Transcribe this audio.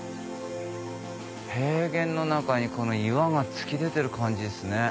平原の中に岩が突き出てる感じっすね。